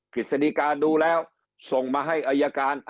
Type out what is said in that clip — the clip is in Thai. ฤษฎีกาดูแล้วส่งมาให้อายการ